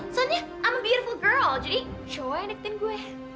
soalnya i'm a beautiful girl jadi cowok yang deketin gue